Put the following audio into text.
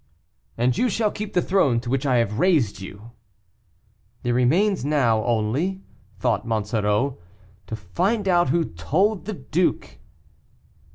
"And you shall keep the throne to which I have raised you. There remains now, only," thought Monsoreau, "to find out who told the duke."